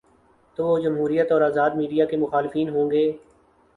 تو وہ جمہوریت اور آزاد میڈیا کے مخالفین ہو ں گے۔